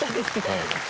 はい・